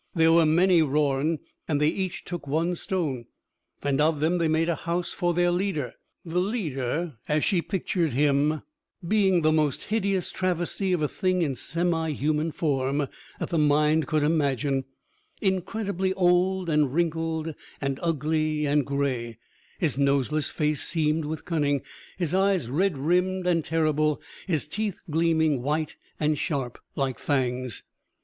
"There were many Rorn, and they each took one stone. And of them, they made a house for their leader." The leader, as she pictured him, being the most hideous travesty of a thing in semi human form that the mind could imagine: incredibly old and wrinkled and ugly and gray, his noseless face seamed with cunning, his eyes red rimmed and terrible, his teeth gleaming, white and sharp, like fangs.